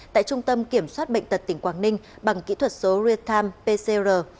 tại trung tâm kiểm soát bệnh tật tỉnh quảng ninh bằng kỹ thuật số realtime pcr